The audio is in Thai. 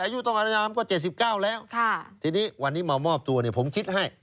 อายุต้องอนามก็๗๙แล้วทีนี้วันนี้มามอบตัวเนี่ยผมคิดให้